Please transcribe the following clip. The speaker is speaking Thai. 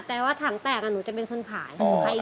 แต่ว่าถังแตกหนูจะเป็นคนขาย